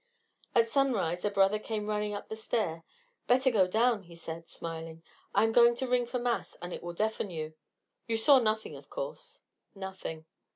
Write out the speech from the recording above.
At sunrise a brother came running up the stair. "Better go down," he said, smiling. "I am going to ring for mass, and it will deafen you. You saw nothing, of course?" "Nothing."